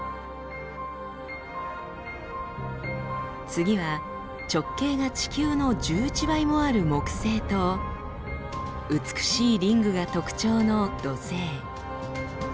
次は直径が地球の１１倍もある木星と美しいリングが特徴の土星。